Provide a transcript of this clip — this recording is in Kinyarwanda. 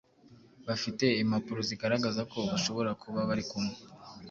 bafite impapuro zigaragaza ko bashobora kuba barikumwe